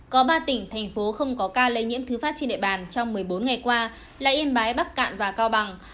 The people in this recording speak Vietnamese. có ba tỉnh thành phố không có ca lây nhiễm thứ phát trên địa bàn trong một mươi bốn ngày qua là yên bái bắc cạn và cao bằng